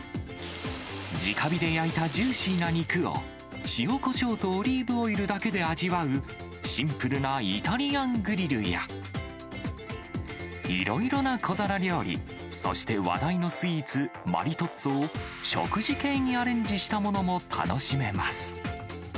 じか火で焼いたジューシーな肉を、塩こしょうとオリーブオイルだけで味わう、シンプルなイタリアングリルや、いろいろな小皿料理、そして話題のスイーツ、マリトッツォを食事系にアレンジしたものも楽しめます。